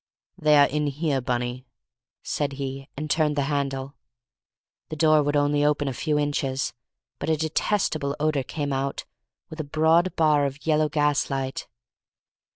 "They are in here, Bunny," he said, and turned the handle. The door would only open a few inches. But a detestable odor came out, with a broad bar of yellow gaslight.